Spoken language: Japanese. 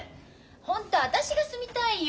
ホント私が住みたいよ。